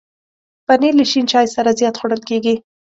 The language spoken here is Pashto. پنېر له شین چای سره زیات خوړل کېږي.